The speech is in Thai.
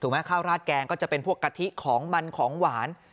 ข้าวราดแกงก็จะเป็นพวกกะทิของมันของหวาน